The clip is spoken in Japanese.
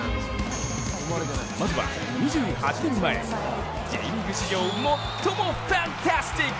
まずは２８年前、Ｊリーグ史上最もファンタスティック！